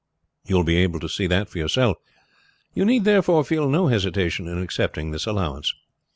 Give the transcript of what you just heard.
You will be able to see that for yourself. You need, therefore, feel no hesitation in accepting this allowance.